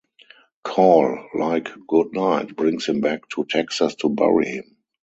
Call, like Goodnight, brings him back to Texas to bury him.